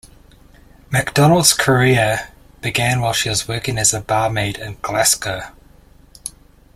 Macdonald's career began while she was working as a barmaid in Glasgow.